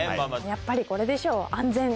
やっぱりこれでしょう。